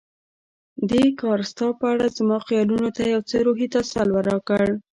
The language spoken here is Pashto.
دې کار ستا په اړه زما خیالونو ته یو څه روحي تسل راکړ.